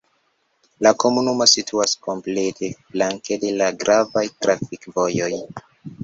La komunumo situas komplete flanke de la gravaj trafikvojoj.